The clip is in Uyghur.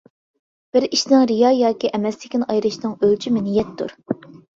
بىر ئىشنىڭ رىيا ياكى ئەمەسلىكىنى ئايرىشنىڭ ئۆلچىمى نىيەتتۇر.